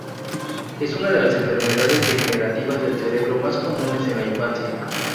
Es una de las enfermedades degenerativas del cerebro más comunes en la infancia.